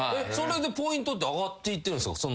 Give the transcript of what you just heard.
それでポイントって上がっていってるんですか？